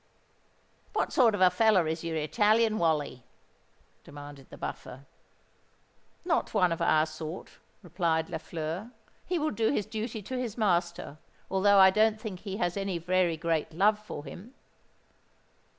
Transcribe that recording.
"What sort of a feller is your Italian wally?" demanded the Buffer. "Not one of our sort," replied Lafleur; "he will do his duty to his master, although I don't think he has any very great love for him."